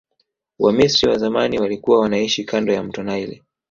wamisri wa zamani walikua wanaishi kando ya mto naili